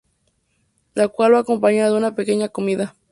La cual va acompaña de una pequeña comida.